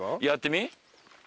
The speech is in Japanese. やってみ。